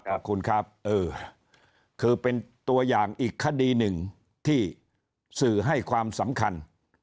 ขอบคุณครับเออคือเป็นตัวอย่างอีกคดีหนึ่งที่สื่อให้ความสำคัญ